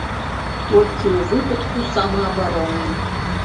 Толькі ў выпадку самаабароны.